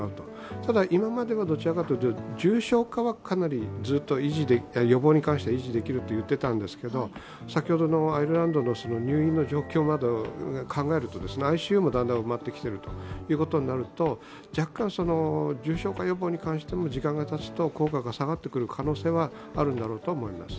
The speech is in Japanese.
ただ、今まではどちらかというと、重症化は予防に関しては維持できるといっていたんですが先ほどのアイルランドの入院の状況などを考えると、ＩＣＵもだんだん埋まってきているということになると重症化予防に関しても時間がたつと効果が下がってくる可能性はあるんだろうと思います。